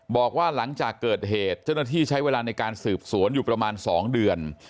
บอกว่าหลังจากเกิดเหตุเจ้าหน้าที่ใช้เวลาในการสืบสวนอยู่ประมาณ๒เดือน